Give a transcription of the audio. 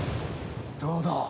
どうだ？